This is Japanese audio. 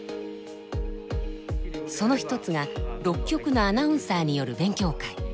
その一つが６局のアナウンサーによる勉強会。